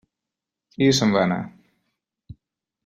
I se'n va anar.